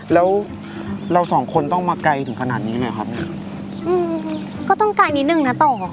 แล้วเราสองคนต้องมาไกลถึงขนาดนี้ไหมครับเนี้ยอืมก็ต้องไกลนิดนึงนะต่อ